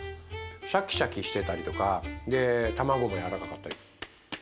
シャキシャキしてたりとかでたまごも柔らかかったり。